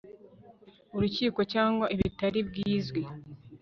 urukiko cyangwa ibitari bizwi